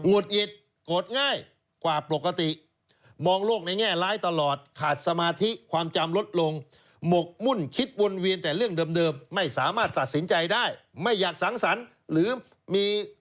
หงิดโกรธง่ายกว่าปกติมองโลกในแง่ร้ายตลอดขาดสมาธิความจำลดลงหมกมุ่นคิดวนเวียนแต่เรื่องเดิมไม่สามารถตัดสินใจได้ไม่อยากสังสรรค์หรือมี